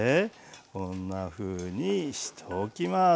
こんなふうにしておきます。